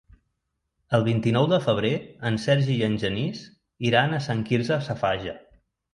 El vint-i-nou de febrer en Sergi i en Genís iran a Sant Quirze Safaja.